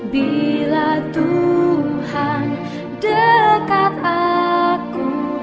bila tuhan dekat aku